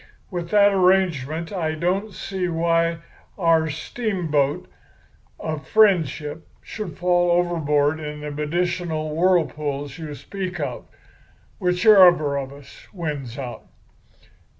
With that arrangement I don't see why our steamboat of friendship should fall overboard in the medicinal whirlpools you speak of, whichever of us wins out.